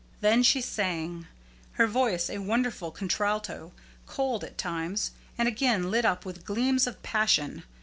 Then she sang, her voice a wonderful contralto, cold at times, and again lit up with gleams of passion.